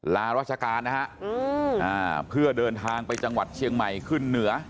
ลาราชการนะฮะเพื่อเดินทางไปจังหวัดเชียงใหม่ขึ้นเหนือ